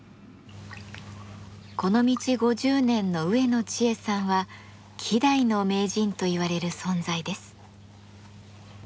この道５０年の植野知恵さんは希代の名人といわれる存在です。